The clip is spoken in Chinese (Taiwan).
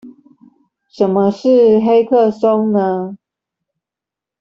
什麼是黑客松呢？